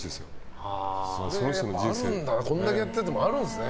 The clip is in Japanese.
これだけやっててもあるんですね